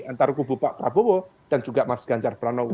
antara kubu pak prabowo dan juga mas ganjar pranowo